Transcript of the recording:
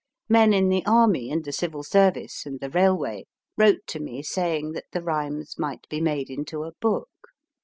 Men in the Army, and the Civil Service, and the Railway, wrote to me saying that the rhymes might be made into a book.